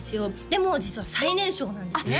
でも実は最年少なんですね